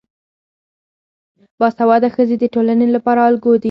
باسواده ښځې د ټولنې لپاره الګو دي.